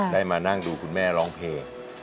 ได้มานั่งดูคุณแม่ร้องเพลง